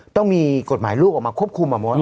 ต้องมีกฎหมายลูกออกมาควบคุมอ่ะมด